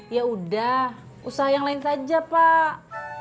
ya udah usaha yang lain saja pak